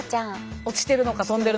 落ちてるのか飛んでるのか。